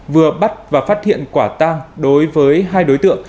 vừa bắt và phát hiện quả tang đối với hai đối tượng